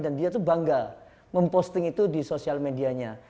dan dia tuh bangga memposting itu di sosial medianya